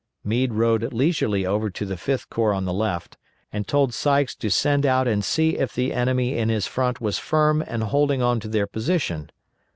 Meade rode leisurely over to the Fifth Corps on the left, and told Sykes to send out and see if the enemy in his front was firm and holding on to their position.